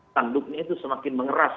tanduknya itu semakin mengeras